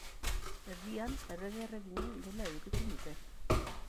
Erdian errege-erreginen gela edukitzen dute.